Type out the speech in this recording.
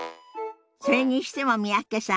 それにしても三宅さん